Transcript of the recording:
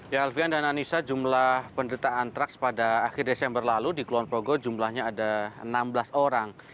ya alfian dan anissa jumlah penderita antraks pada akhir desember lalu di kulon progo jumlahnya ada enam belas orang